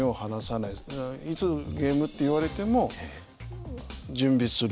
いつゲームって言われても準備する。